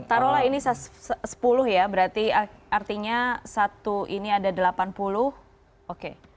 taruhlah ini sepuluh ya berarti artinya satu ini ada delapan puluh oke